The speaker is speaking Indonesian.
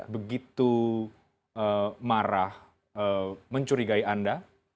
begitu marah mencurigai anda